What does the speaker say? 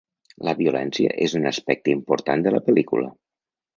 La violència és un aspecte important de la pel·lícula.